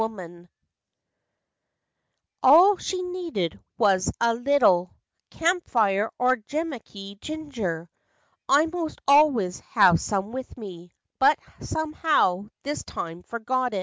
n " All she needed was a leetle Campfire or Jemaky ginger; I most always have some with me, But somehow, this time, forgot it.